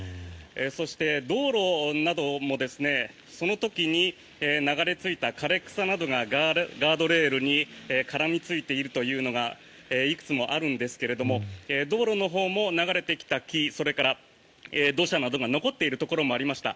そして、道路などもその時に流れ着いた枯れ草などがガードレールに絡みついているというのがいくつもあるんですけども道路のほうも流れてきた木それから土砂などが残っているところもありました。